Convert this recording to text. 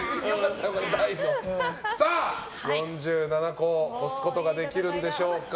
４７個、めくることができるんでしょうか。